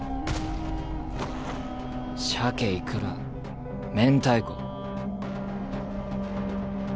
しゃけいくら明太子。